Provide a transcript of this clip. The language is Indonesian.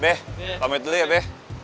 be pamit dulu ya be